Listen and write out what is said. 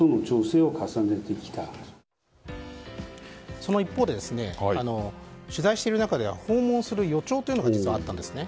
その一方で取材している中では訪問する予兆というのが実はあったんですね。